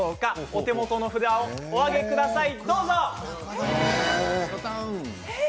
お手元の札をお上げください。